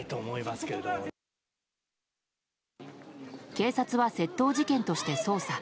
警察は窃盗事件として捜査。